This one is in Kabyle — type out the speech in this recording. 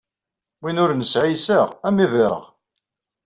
Win ur nesɛi iseɣ, am yibireɣ.